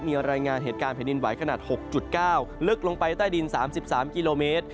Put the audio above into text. มีรายงานเหตุการณ์แผ่นดินไหวขนาด๖๙ลึกลงไปใต้ดิน๓๓กิโลเมตร